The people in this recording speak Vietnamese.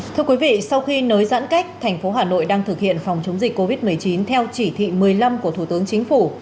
thưa quý vị sau khi nới giãn cách thành phố hà nội đang thực hiện phòng chống dịch covid một mươi chín theo chỉ thị một mươi năm của thủ tướng chính phủ